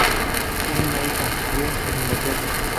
Tiene una hija, Jane, en Inglaterra.